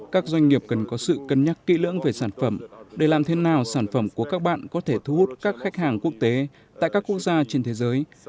các doanh nghiệp cần có sự cân nhắc kỹ lưỡng về sản phẩm để làm thế nào sản phẩm của các bạn có thể thu hút các khách hàng quốc tế tại các quốc gia trên thế giới